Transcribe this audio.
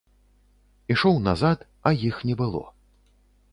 Ішоў назад, а іх не было.